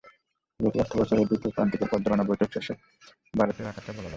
চলতি অর্থবছরের দ্বিতীয় প্রান্তিকের পর্যালোচনা বৈঠক শেষে বাজেটের আকারটা বলা যাবে।